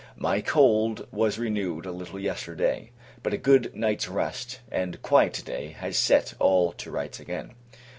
My cold was renewed a little yesterday; but a good night's rest, and quiet to day, has set all to rights again.